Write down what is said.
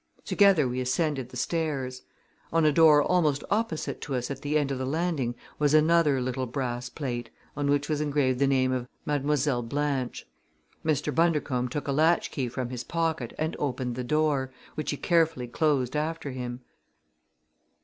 Together we ascended the stairs. On a door almost opposite to us at the end of the landing was another little brass plate, on which was engraved the name of Mademoiselle Blanche. Mr. Bundercombe took a latchkey from his pocket and opened the door, which he carefully closed after him.